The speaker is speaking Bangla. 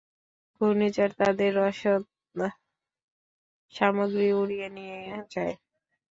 ঘূর্ণিঝড় তাদের রসদ-সামগ্রী উড়িয়ে নিয়ে যায়।